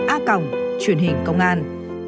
a truyền hình công an